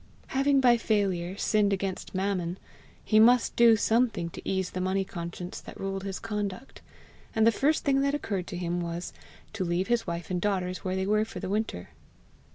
Having by failure sinned against Mammon, he must do something to ease the money conscience that ruled his conduct; and the first thing that occurred to him was, to leave his wife and daughters where they were for the winter.